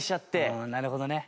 うんなるほどね。